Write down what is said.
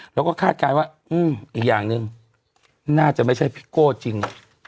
แล้วก็คาดกลายว่าอื้มอีกอย่างนึงน่าจะไม่ใช่พิโก้จริง